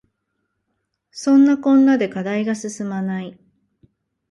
そんなこんなで課題が進まない